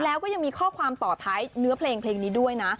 แล้วก็ยังมีข้อความต่อท้ายเนื้อเพลงเพลงนี้ด้วยนะ